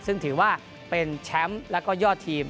ซึ่งถือว่าเป็นแชมป์แล้วก็ยอดทีม